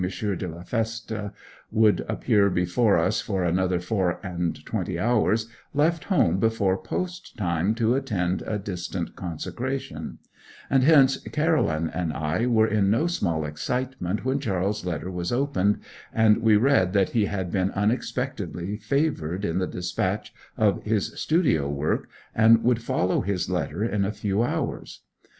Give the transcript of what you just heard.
de la Feste would appear before us for another four and twenty hours, left home before post time to attend a distant consecration; and hence Caroline and I were in no small excitement when Charles's letter was opened, and we read that he had been unexpectedly favoured in the dispatch of his studio work, and would follow his letter in a few hours.